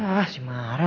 ah si marah